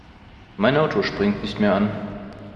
Mein Auto springt nicht mehr an.